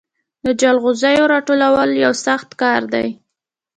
د جلغوزیو راټولول یو سخت کار دی.